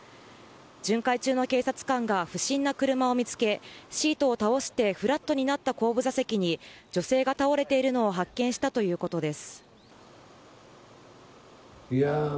巡回中の警察官が不審な車を見つけシートを倒してフラットになった後部座席に女性が倒れているのを発見したということです。